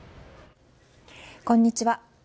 こんにちは。